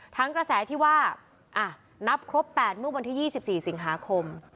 กระแสที่ว่านับครบ๘เมื่อวันที่๒๔สิงหาคม